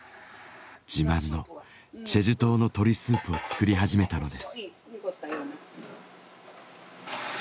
自慢のチェジュ島の鶏スープを作り始めたのです。